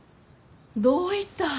どういた？